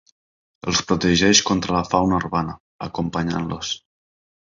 Els protegeix contra la fauna urbana, acompanyant-los.